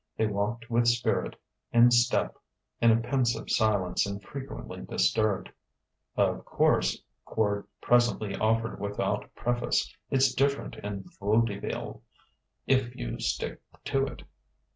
They walked with spirit, in step, in a pensive silence infrequently disturbed. "Of course," Quard presently offered without preface, "it's different in vodeveal, if you stick to it."